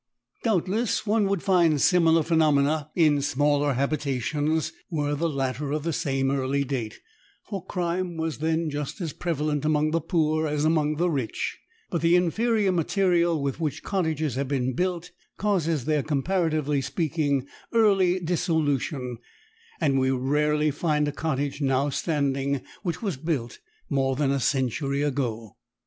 Doubtless one would find similar phenomena in smaller habitations were the latter of the same early date, for crime was then just as prevalent among the poor as among the rich, but the inferior material with which cottages have been built causes their comparatively speaking early dissolution, and we rarely find a cottage now standing which was built more than a century ago.